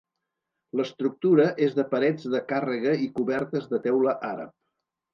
L'estructura és de parets de càrrega i cobertes de teula àrab.